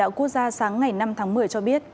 công tác quốc gia sáng ngày năm tháng một mươi cho biết